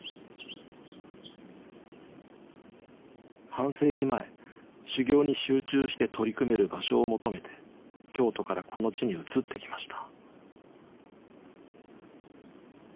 半世紀前修行に集中して取り組める場所を求めて京都からこの地に移ってきました。